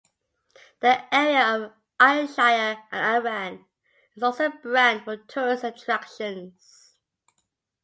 The area of Ayrshire and Arran is also a brand for tourist attractions.